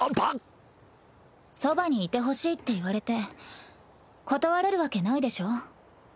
そばにいてほしいって言われて断れるわけないでしょ？